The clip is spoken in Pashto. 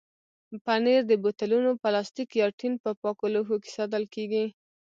پنېر د بوتلونو، پلاستیک یا ټین په پاکو لوښو کې ساتل کېږي.